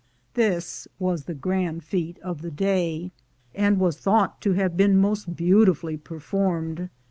This was the grand feat of the day, and was thought to have been most beautifully performed.